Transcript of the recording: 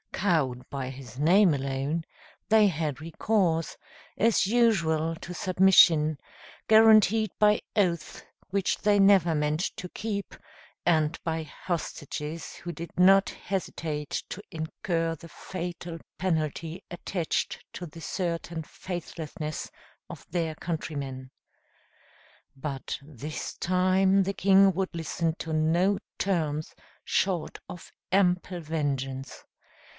Cowed by his name alone, they had recourse, as usual, to submission, guaranteed by oaths which they never meant to keep, and by hostages who did not hesitate to incur the fatal penalty attached to the certain faithlessness of their countrymen. But this time the king would listen to no terms short of ample vengeance.